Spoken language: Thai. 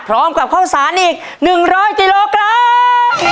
พร้อมกับข้าวสารอีก๑๐๐กิโลกรัม